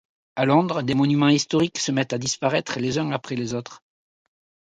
À Londres, des monuments historiques se mettent à disparaître les uns après les autres.